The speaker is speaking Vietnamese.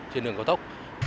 trên đường cao tốc